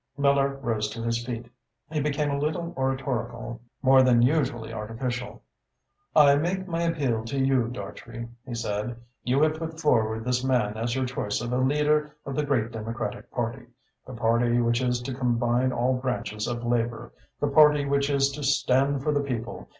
Miller rose to his feet. He became a little oratorical, more than usually artificial. "I make my appeal to you, Dartrey," he said. "You have put forward this man as your choice of a leader of the great Democratic Party, the party which is to combine all branches of Labour, the party which is to stand for the people.